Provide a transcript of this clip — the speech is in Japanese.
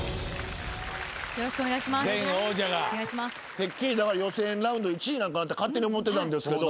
てっきり予選ラウンド１位なんかなって勝手に思ってたんですけど。